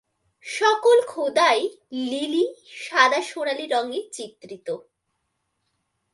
সকল খোদাই লিপি সাদা সোনালি রঙে চিত্রিত।